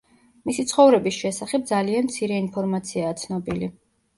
მისი ცხოვრების შესახებ ძალიან მცირე ინფორმაციაა ცნობილი.